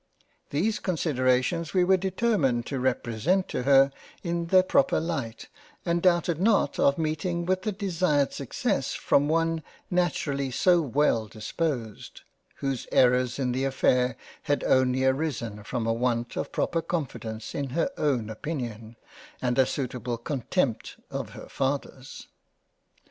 These considerations we were determined to represent to her in their proper light and doubted not of meeting with the desired success from one naturally so well disposed ; whose errors in the affair had only arisen from a want of proper confidence in her own opinion, and a suitable contempt of her father's.